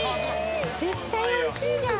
絶対おいしいじゃん。